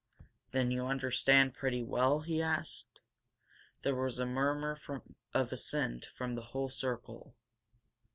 "Then you understand pretty well?" he asked. There was a murmur of assent from the whole circle.